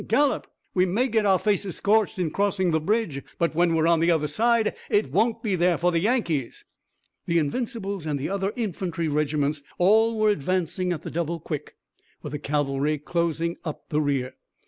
Gallop! We may get our faces scorched in crossing the bridge, but when we're on the other side it won't be there for the Yankees!" The Invincibles and the other infantry regiments all were advancing at the double quick, with the cavalry closing up the rear.